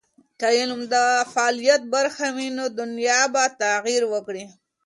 که علم د فعالیت برخه وي، نو دنیا به تغیر وکړي.